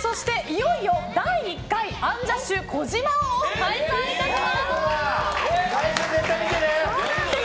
そして、いよいよ第１回アンジャッシュ児嶋王を開催いたします！